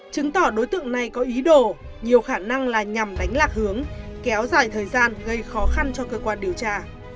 chứng tỏ đối tượng này có ý đồ nhiều khả năng là nhằm đánh lạc hướng kéo dài thời gian gây khó khăn cho cơ quan điều tra